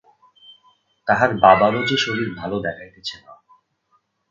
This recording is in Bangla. তাহার বাবারও যে শরীর ভালো দেখাইতেছে না।